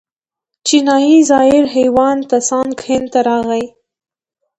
چینایي زایر هیوان تسانګ هند ته راغی.